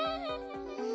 うん。